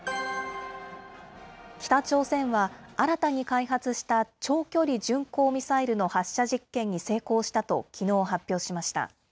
北朝鮮は新たに開発した長距離巡航ミサイルの発射実験に成功したときのう発表しました。